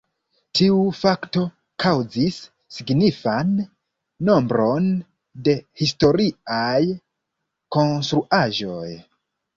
Tiu fakto kaŭzis signifan nombron de historiaj konstruaĵoj.